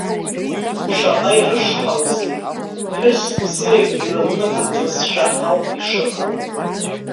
Шаҟа ирышҳаузеи, ԥҳәыс бзиак илымпыҵыҵызшәа ауп ишыҟоу.